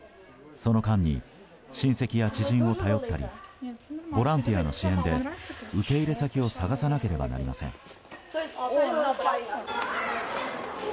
その間に親せきや知人を頼ったりボランティアの支援で受け入れ先を探さなければなりません。